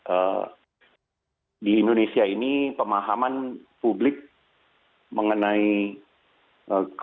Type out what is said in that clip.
eh di indonesia ini pemahaman publik mengenai eh